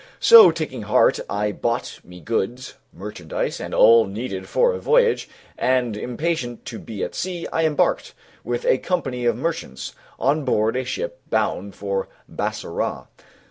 So taking heart I bought me goods, merchandise, and all needed for a voyage, and, impatient to be at sea, I embarked, with a company of merchants, on board a ship bound for Bassorah.